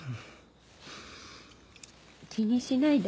気にしないで。